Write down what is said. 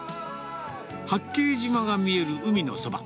八景島が見える海のそば。